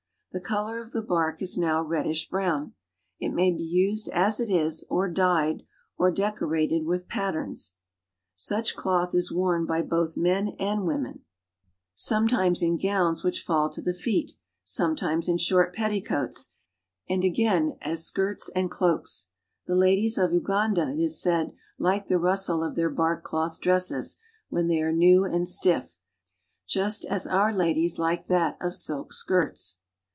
The color of the bark is now reddish brown. It may be used as it is, or dyed, or decorated with patterns. Such cloth is worn by both men and women : sometimes ^^^P in gowns wl ^^H coats, and :^^^ Ueanda, it i) ABOUT L,\KE VICTORIA w in gowns which fall to the feet, sometimes in short petti coats, and again as skirts and cloaks. The ladies of Uganda, it is said, like the rustle of their bark cloth dresses, when they are new and stiff, just as our ladies like that of ] silk skirts.